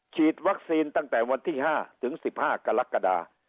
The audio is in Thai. ฉีดวัคซีนตั้งแต่วันที่๕ถึง๑๕กรกฎา